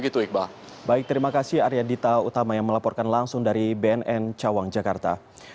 baik baik terima kasih arya dita utama yang melaporkan langsung dari bnn cawang jakarta